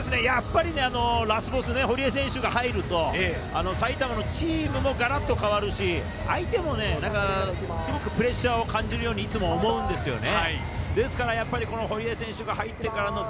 ラスボス・堀江選手が入ると、埼玉の、チームもガラっと変わるし、相手もすごくプレッシャーを感じるようにいつも思うんですよね。